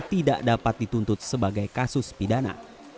tidak dapat dituntut sebagai kasus pidana